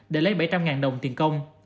để lấy bảy trăm linh đồng tiền công